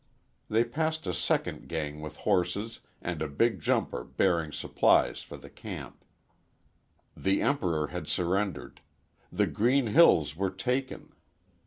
They passed a second gang with horses and a big jumper bearing supplies for the camp. The Emperor had surrendered; the green hills were taken.